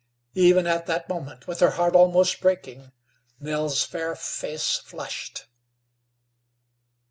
Even at that moment, with her heart almost breaking, Nell's fair face flushed.